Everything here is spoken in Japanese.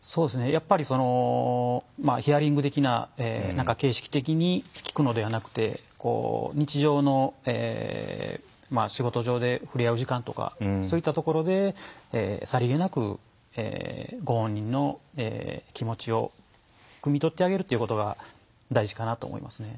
やっぱりヒアリング的な形式的に聞くのではなくて日常の仕事上でふれあう時間とかそういったところでさりげなくご本人の気持ちをくみ取ってあげるということが大事かなと思いますね。